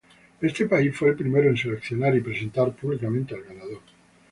Este país fue el primero en seleccionar y presentar públicamente al ganador.